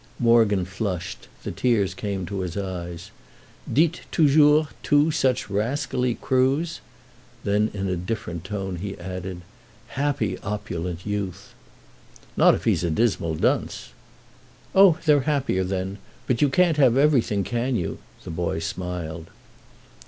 Morgan flushed—the tears came to his eyes. "Dites toujours two such rascally crews!" Then in a different tone he added: "Happy opulent youth!" "Not if he's a dismal dunce." "Oh they're happier then. But you can't have everything, can you?" the boy smiled.